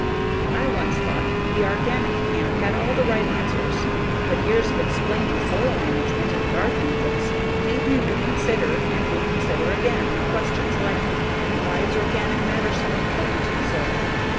I once thought the organic camp had all the right answers but years of explaining soil management in gardening books made me reconsider and reconsider again questions like "why is organic matter so important in soil?"